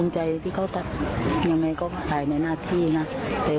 ใจแม่ไม่อยากให้เป็นเพราะว่าเสี่ยงกลัว